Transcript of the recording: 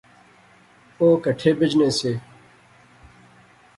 او کہٹھے بہجنے سے